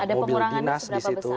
ada pengurangannya seberapa besar